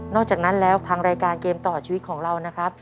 อกจากนั้นแล้วทางรายการเกมต่อชีวิตของเรานะครับ